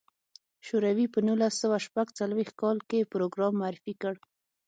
شوروي په نولس سوه شپږ څلوېښت کال کې پروګرام معرفي کړ.